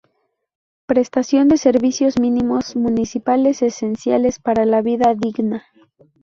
Prestación de servicios mínimos municipales esenciales para la vida digna.